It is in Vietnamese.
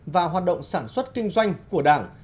và hoạt động sản xuất kinh doanh của đảng